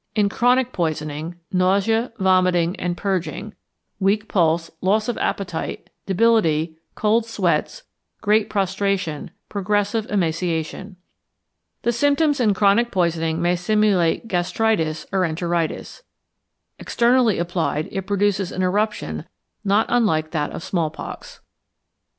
In chronic poisoning, nausea, vomiting and purging, weak pulse, loss of appetite, debility, cold sweats, great prostration, progressive emaciation. The symptoms in chronic poisoning may simulate gastritis or enteritis. Externally applied, it produces an eruption not unlike that of smallpox.